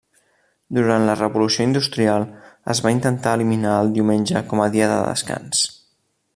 Durant la Revolució industrial es va intentar eliminar el diumenge com a dia de descans.